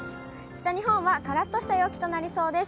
北日本はからっとした陽気となりそうです。